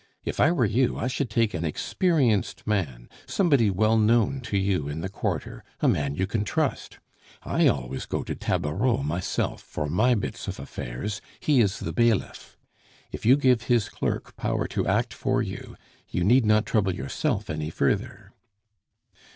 If I were you, I should take an experienced man, somebody well known to you in the quarter, a man you can trust.... I always go to Tabareau myself for my bits of affairs he is the bailiff. If you give his clerk power to act for you, you need not trouble yourself any further."